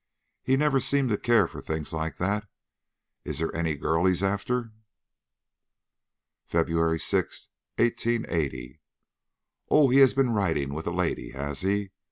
He never seemed to care for things like that. Is there any girl he is after?" "FEBRUARY 6, 1880. Oh, he has been riding with a lady, has he?